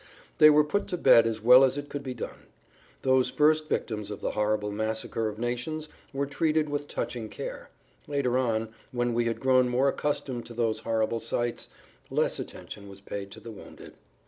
They were put to bed as well as it could be done. Those first victims of the horrible massacre of nations were treated with touching care. Later on, when we had grown more accustomed to those horrible sights, less attention was paid to the wounded.